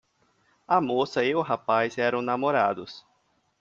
A moça e o rapaz eram namorados.